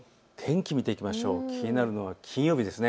気になるのが金曜日です。